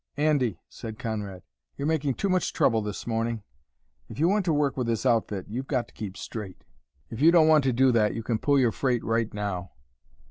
"Andy," said Conrad, "you're making too much trouble this morning. If you want to work with this outfit you've got to keep straight. If you don't want to do that you can pull your freight right now."